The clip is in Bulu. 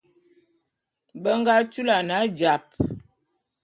Be nga tulan ajap.